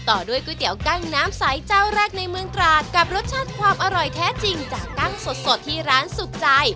ต่อด้วยก๋วยเตี๋ยวกั้งน้ำใสเจ้าแรกในเมืองตราดกับรสชาติความอร่อยแท้จริงจากกั้งสดที่ร้านสุดใจ